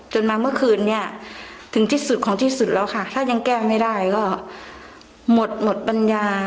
จนมาเมื่อคืนนี้ถึงจิตสุดของจิตสุดแล้วค่ะถ้ายังแก้ไม่ได้ก็หมดปัญญา